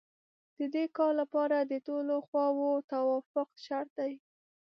د دې کار لپاره د ټولو خواوو توافق شرط دی.